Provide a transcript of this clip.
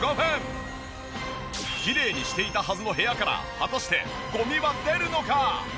きれいにしていたはずの部屋から果たしてゴミは出るのか？